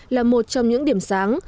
là một trong những điểm sáng